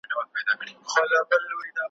په هینداره کي د ځان په تماشا وه ,